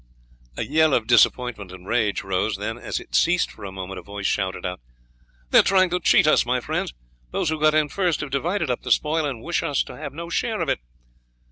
A yell of disappointment and rage rose, then as it ceased for a moment a voice shouted out: "They are trying to cheat us, my friends; those who got in first have divided up the spoil and wish us to have no share in it."